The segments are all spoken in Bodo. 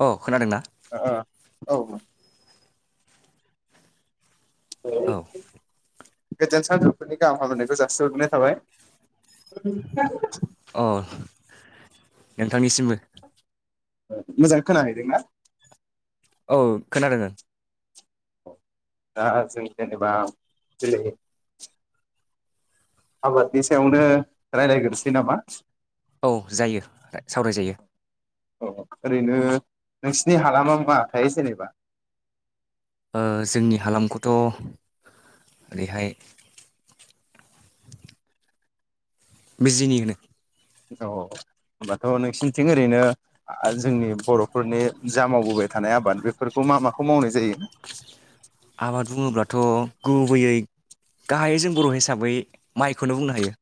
अ खोनादोंना औ औ औ गोजोन साजौफुनि गाहाम हामायनायखौ जासिहरग्रोनाय थाबाय [unintelligible] औ नोंथांनिसिमबो मोजां खोनाहैदोंना औ खोनादों ओं दा जों जेनेबा दिनै आबादनि सायावनो रायलायग्रोसै नामा औ जायो सावरायजायो अ ओरैनो नोंसिनि हालामा मा थायो जेनेबा जोंनि हालामखौथ' ओरैहाय बिजिनि होनो औ होमबाथ' नोंसोरनिथिं ओरैनो जोंनि बर'फोरनि जा मावबोबाय थानाय आबाद बेफोरखौ मा माखौ मावनाय जायो आबाद बुङोब्लाथ' गुबैयै गाहायै जों बर' हिसाबै माइखौनो बुंनो हायो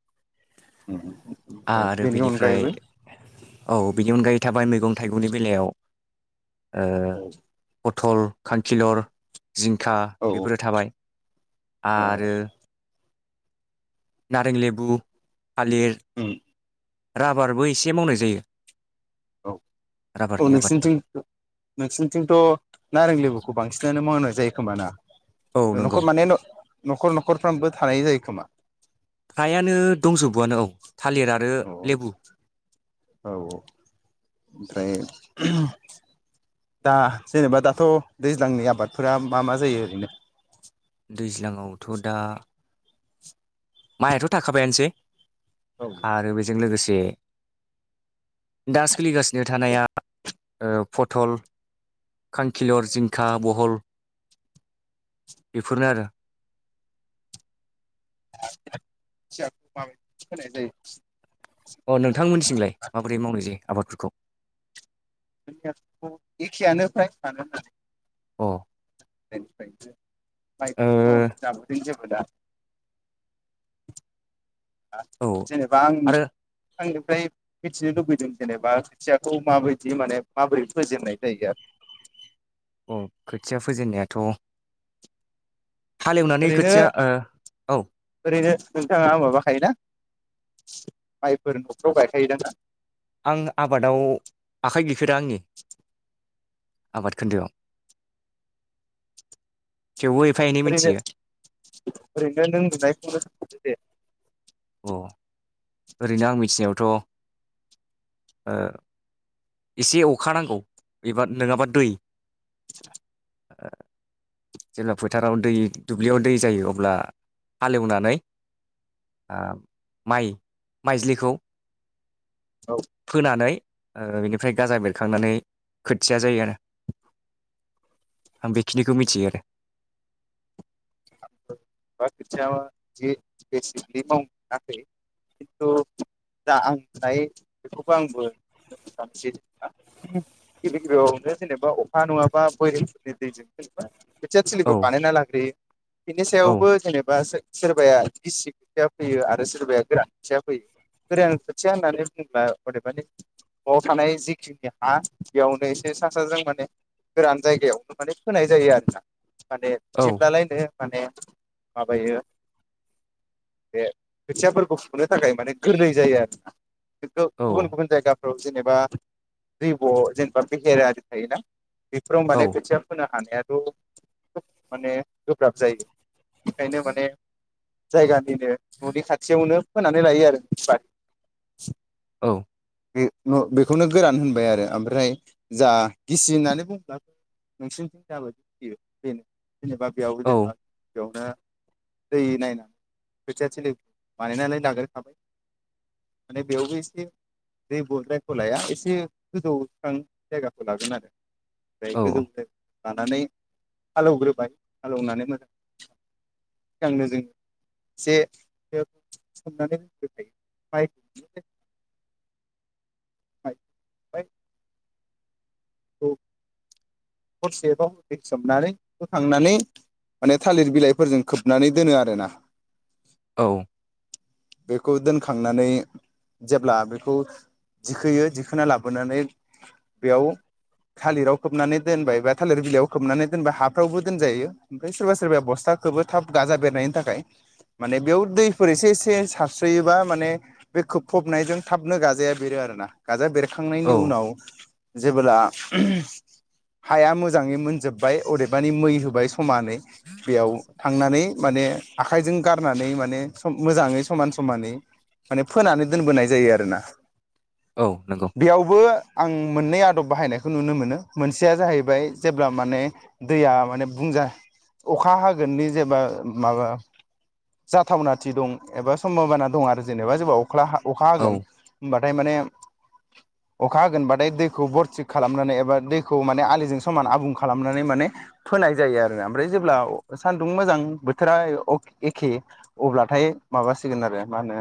उम ओमफ्राय आरो बेनि बेनिफ्राय अनगायैबो औ बिनि अनगायै थाबाय मैगं थाइगंनि बेलायाव ओ औ पथल खांखिलर जिंखा औ बेफोरो थाबाय औ आरो नारें लेबु थालिर राबारबो एसे मावनाय जायो औ औ राबारनि आबादबो नोंसोरनिथिं नोंसोरनिथिंथ' नारें लेबुखौ बांसिनानो मावनाय जायो खोमा ना औ नंगौ नखौ माने न न'खर न'खरफ्रामबो थानाय जायो खोमा फ्रायानो दंजोब बोवानो औ थालिर आरो औ लेबु औ औ ओमफ्राय दा जेनेबा दाथ' दैज्लांनि आबादफोरा मा मा जायो ओरैनो दैज्लाङावथ' दा माइआथ' थाखाबायानोसै औ आरो बेजों लोगोसे दे दा सोलिगा नो थानाया ओ पथल खांखिलर जिंखा बहल बेफोरनो आरो [unintelligible] अ नोंथांमोननि थिंलाय माबोरै मावनाय जायो। आबादफोरखौ जोंनियाथ' एखियानो फ्रायानो होनबालाय। अ ओ [unintelligible] [unintelligible] दा औ जेनेबा आं आरो आंनिफ्राय मिथिनो लुुबैदों जेनेबा खोथियाखौ माबायदि माने माबोरै फोजेननाय जायो आरो। अ खोथिया फोजेननायाथ' आरो हालेवनानै ओरैनो खोथिया ओ औ ओरैनो नोंथाङा माबाखायोना माइफोर न'फ्राव गायखायोदां ना आं आबादाव आखाइ गैफेरा आंनि आबाद खोन्दोआव थेवबो एफा एनै ओरैनो मिथियो ओरैनो नों नुनायखौनोदो दे अ ओरैनो आं मिथिनायावथ' एसे अखा नांगौ एबा नङाबा दै [inaudible] जेब्ला फोथाराव दै दुब्लियाव दै जायो अब्ला हालेवनानै ओ माइ माइज्लिखौ औ फोनानै ओ बि ओमफ्राय गाजा बेरखांनानै खोथिया जायो आरो आं बेखिनिखौ मिथियो आरो बा खोथिया जि बेसिकलि मावाखै खिन्थु दा आं दायो बेखौबो आंबो बुंनो सानोसै जेनेबा गिबि गिबियावनो जेनेबा अखा नङाबा बरंफोरनि दैजों जेनेबा खोथिया औ थिलिखौ बानायना लाग्रोयो बेनि औ बो जेनेबा जो सोरबाया गिसि खोथिया फैयो आरो सोरबाया गोरान खोथिया फैयो गोरान खोथिया होननानै बुङोब्ला अदेबानि न'आव थानाय जिखिनि हा बेयावनो एसे सा साजों माने गोरान जायगायावनो माने फोनाय जायो आरोना माने औ जिप नालाय होनो माने माबायो बे खोथियाफोरखौ फुुंनो थाखाय माने गोरलै जायो आरोना बे गुबुन गुबुन जायगा आव जेनेबा लैब जेनेबा बेहेरा आरि थायोना बेफोराव औ माने खोथिया फोनो हानाया थ माने गोब्राब जायो बेखायनो माने जायगानिनो न'नि खाथियावनो होनानै लायो आरो मिथिबाय औ बेखौनो गोरान होनबाय आरो ओमफ्राय जा गिसि होननानै बुंब्लाबो नोंसिनिथिं जाबादि फोयो बेनो जेनोबा बेयाव बो जेनेबा बेयावनो दै नायनानै खोथियाथिलि बानायनानै लाग्रोखाबाय माने बेयावबो एसे दै बद्रायखौ लाया एसे गोजौ सांग्रां जायगाखौ लागोन आरो औ गायख जोमथ [unintelligible] लानानै हालौवग्रोबाय हालौनानै मोजां सिगांनो जों जे [unintelligible] सनानै थायो माइ [unintelligible] औ हरसेबाव दैसोमनानै होखांनानै माने थालिर बिलाइफोरजों खोबनानै दोनो आरोना औ बेखौ दोनखांनानै जेब्ला बेखौ दिखोयो दिखोना लाबोनानै बेयाव थालिराव खोबनानै दोनबाय बा थालिर बिलाइयाव खोबनानै दोनबाय हाफ्रावबो दोनजायो ओमफ्राय सोरबा सोरबाया बस्थाखौबो थाब गाजा बेरनायनि थाखाय माने बेयाव दैफोर एसे एसे सारस्रोयोबा माने बे खोबफबनायजों थाबनो गाजाया बेरो आरोना गाजााया बेर औ खांनायनि उनाव जेबोब्ला हाया मोजाङै मोनजोबबाय अदेबानि मै होबाय समानै बेयाव थांनानै माने आखाइजों गारनानै माने मोजाङै समान समानै माने फोनानै दोनबोनाय जायो आरोना औ नंगौ बेयावबो आं मोननै आदब बाहायनायखौ नुनो मोनो मोनसेया जाहैबाय जेब्ला माने दैया माने बुंजा अखा हागोननि जेब्ला माबा जाथावनाथि दं एबा सम्भाबानना दं आरो जेनेबा जबाव अखा अखा औ होगोन होनबा हाथाय माने अखा होगोनबाथाय दैखौ बरथिक खालामनानै एबा दैखौ माने आलिजों समान आबुं खालामनानै माने फोनाय जायो आरो ओमफ्राय जेब्ला सानदुं मोजां बोथोरा एखे अब्लाथाय माबासिगोन आरो मा होनो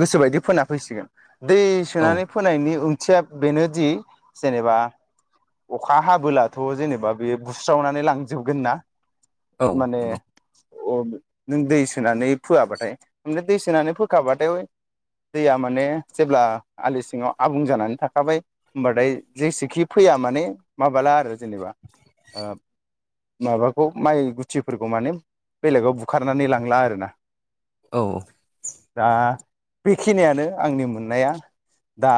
गोसोबायदि फोना फैसिगोन दै औ सोनानै फोनायनि उ खथिया बेनोदि जेनेबा अखा हाबोलाथ' जेनेबा बे बुस्रावनानै लांजोबगोन ना औ नंगौ अ नों दै सोनानै फोआबाथाय ममे दै सोनानै फोखाबाथाय दैया माने जेब्ला आलि सिङाव आबुं जानानै थाखाबाय होमबाथाय जेसेखि फैया माने माबाला आरो जेनेबा माबाखौ माइ गुथिफोरखौ माने बेलेगाव बुखारनानै लांला आरो ना औ दा बेखिनियानो आंनि मोननाया दा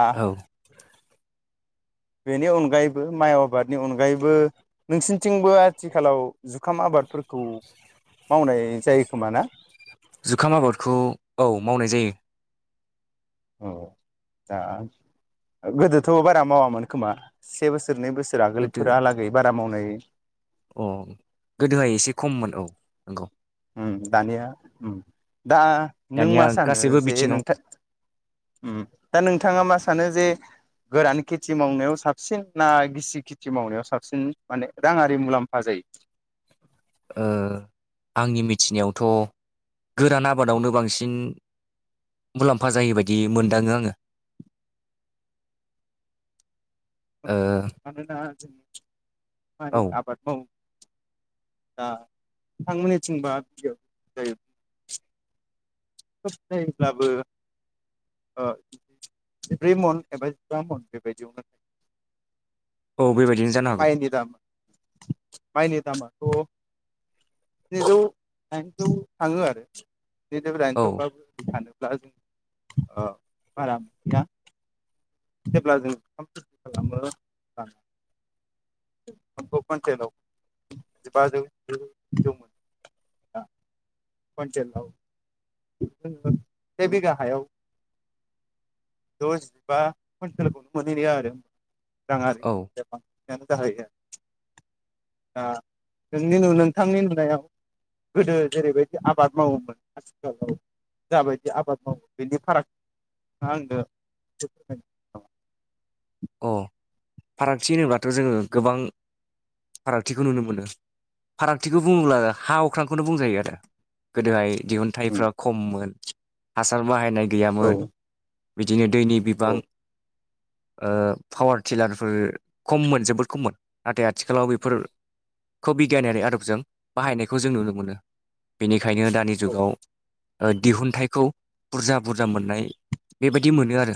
[unintelligible] बेनि अनगायैबो माइ आबादनि अनगायैबो नोंसिनिथिंबो आथिखालाव जुखाम आबादफोरखौ मावनाय जायो खोमा ना जुखाम आबादखौ औ मावनाय जायो दा गोदोथ'बारा मावामोन खोमा से बोसोरनै बोसोर गोदो आगोलफोरहालागै बारा मावनाय अ गोदोहाय एसे खममोन औ नंगौ ओम दानिया ओम दा नों दानिया मा सानो गासैबो जे बिथिङाव नोंथां ओम दा नोंथाङा मा सानो जे गोरान खेथि मावनायाव साबसिन ना गिसि खेथि मावनायाव साबसिन माने राङारि मुलाम्फा जायो ओ आंनि मिथिनायावथ' गोरान आबादावनो बांसिन मुलाम्फा जायै बायदि मोनदाङो आङो ओ मानोना [unintelligible] माइ औ आबाद मावो दा नोंथां मोननिथिंबा [unintelligible] खोब नायोब्लाबो ओ जिब्रै मन एबा जिबा मन बेबायदियावनो औ बेबायदिनो जानो हागौ माइनि दाम माइनि दामाथ' स्निजौ दाइनजौ थाङो आरो स्निजौ दाइन औ थेवबाबो जों सानो ब्ला जों ओ बारा मोनथिया जेब्ला जों ओंखाम खालामो अब्ला ओंखामखौ खनथेलाव जिबाजौ जों मोनो खनथेलाव जोङो से बिघा हायाव द'जिबा कुइन्टेलखौनो मोनहैनाय आरो राङारि औ जा ओ जाहैयो दा नोंनि नोंथांनि नुनायाव गोदो जेरैबायदि आबाद मावोमोन आथिलाव जाबायदि आबाद मावो बेनि फाराग आंनो फोरमायनो नामा अ फारागथि होनोब्लाथ' जोङो गोबां फारागथिखौ नुनो मोनो फारागथिखौ बुङोब्ला हा अख्रांखौनो बुंजायो आरो गोदोहाय दिहुनथाइफ्रा खममोन हासार बाहायनाय गैयामोन औ बिदिनो दैनि बिबां ओ पावार टिलारफोर खममोन जोबोद खममोन नाथाय आथिखालाव बेफोरखौ बिगियानारि आदबजों बाहायनायखौ जों नुनो मोनो बेनि खायनो दानि औ जुगाव ओ दिहुनथाइखौ बुरजा बुरजा मोननाय बे बायदि मोनो आरो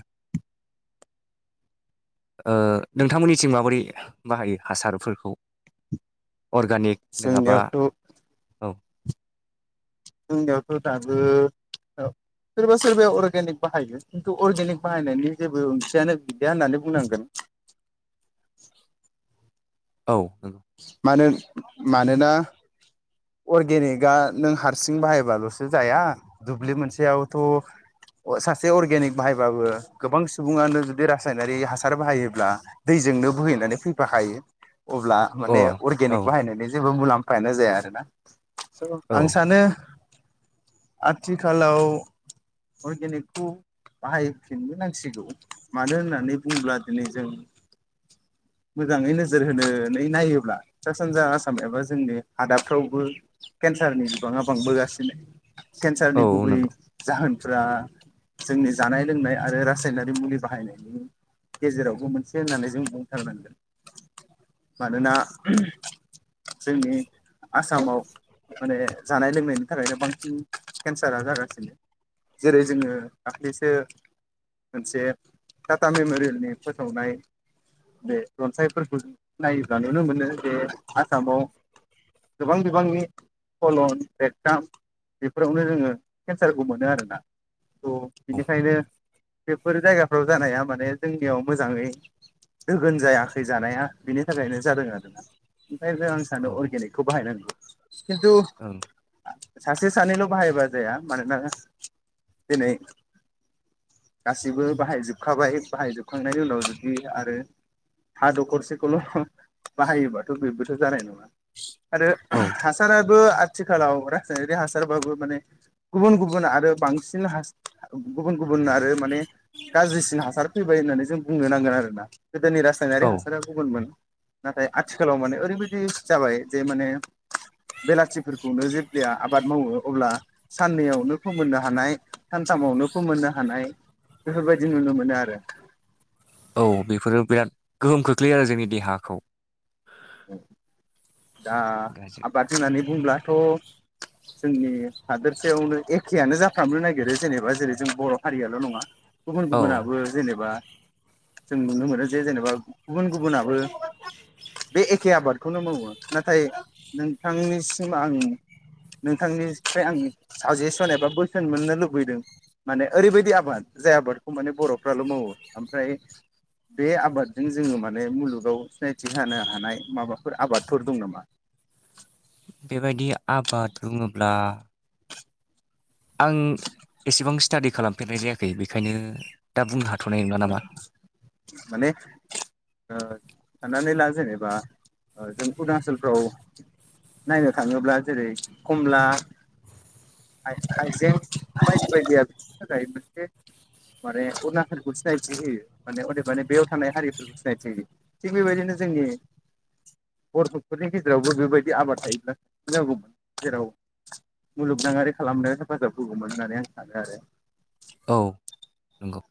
ओ नोंथांमोननिथिं माबोरै बाहायो हासारफोरखौ अर्गानिक नङाबा जोंनियावथ' औ जोंनियावथ' दाबो ओ सोरबा सोरबाया अर्गेनिक बाहायो खिन्थु अर्गेनिक बाहायनायनि जेबो ओंथियानो गैलिया होननानै बुंनांगोन औ नंगौ मानो मानोना अर्गेनिकआ नों हारसिं बाहायबाल'सो जाया दुब्लि मोनसेयावथ' सासे अर्गेनिक बाहायबाबो गोबां सुबुङानो जुदि रासायनारि हासार बाहायोब्ला दैजोंनो बोहैनानै फैफाखायो अब्ला माने अ औ अर्गेनिक बाहायनायनि जेबो मुलाम फायानो जाया आरो ना [inaudible] स औ आं सानो आथिखालाव अर्गेनिकखौ बाहायफिननो नांसिगौ मानो होननानै बुङोब्ला दिनै जों मोजाङै नोजोर होनानै नायोब्ला सा सानजा आसाम एबा जोंनि हादाबफ्राव बो केन्सारनि बिबाङा बांबोगासिनो केन्सारनि औ गुबै नंगौ जाहोन फ्रा जोंनि जानाय लोंनाय आरो रासायनारि मुलि बाहायनायनि गेजेरावबो मोनसे होननानै जों बुंथारनांगोन मानोना जोंनि आसामाव माने जानाय लोंनायनि थाखायनो बांसिन केन्सारा जागासिनो जेरै जोङो दाखलिसो मोनसे टाटा मेमरियेलनि फोसावनाय बे रनसाइफोरखौ जों नायोब्ला नुनो मोनो जे आसामाव गोबां बिबांनि कलन रेगथाम बेफोरावनो जोङो केन्सारखौ मोनो आरोना औ बिनिखायनो बेफोर जायगाफ्राव जानाया माने जोंनियाव मोजाङै दोगोन जायाखै जानाया बेनि थाखायनो जादों आरोना ओमफ्राय आं सानो औ अर्गानिक [unintelligible] खिन्थु ओं सासे सानैल' बाहायबा जाया मानोना दिनै गासिबो बाहायजोबखाबाय बाहायजोबखांनायनि उनाव जुदि आरो हा दखरसेखौल' बाहायोबाथ' बेबोथ' जानाय नङा आरो औ हासारा बो आथिखालाव रासायनारि हासारबाबो माने गुबुन गुबुन आरो बांसिन गुबुन गुबुन आरो माने गाज्रिसिन हासार फैबाय होननानै जों बुंनो नांगोन आरो ना गोदोनि रासायनारि औ हासारा गुबुनमोन नाथाय आथिखालाव माने ओरैबायदि जाबाय जे माने बेलाथिफोरखौनो जेब्लाया आबाद मावो अब्ला साननैयावनो फोमोननो हानाय सानथामावनो फोमोननो हानाय बेफोरबायदि नुनो मोनो आरो औ बेफोरो बिराद गोहोम खोख्लैयो आरो जोंनि देहाखौ औ दा गाज्रि। आबाद होननानै बुंब्लाथ' जोंनि हादोरसायावनो एखेयानो जाफ्रामनो नागिरो जेनेबा जेरै जों बर' हारियाल' नङा गुबुन औ गुबुनाबो जेनेबा जों नुनो मोनो जे जेनेबा गुबुन गुबुनाबो बे एखे आबादखौनो मावो नाथाय नोंथांनिसिम आं नोंथांनिफ्राय आं आं साजेसन एबा बोसोन मोननो लुबैदों माने ओरैबायदि आबाद जाय आबादखौ माने बर'फ्राल' मावो ओमफ्राय बे आबादजों जोङो माने मुलुगाव सिनायथि होनो हानाय माबाफोर आबाद फोर दं नामा बेबायदि आबाद बुङोब्ला आं एसेबां स्टाडि खालामफेरनाय जायाखै बेखायनो दा बुंनो हाथ' थ'नाय नङा नामा माने साननानै ला जेनेबा जों अरुनााचलफ्राव नायनो थाङोब्ला जेरै कमला हायजें बायदि बायदिया बिनि थाखाय मोनसे माने अरुणचलखौ सिनायथि होयो माने अदे मानि बेयाव थानाय हारिफोरखौ सिनायथि होयो थिग बेबायदिनो जोंनि बर'फोरनि गेजेरावबो बेबायदि आबाद थायोब्लानांगौमोन जेराव मुलुगनाङारि खालामनायाव हेफाजाब होगौमोन होननानै आं सानो आरो औ नंगौ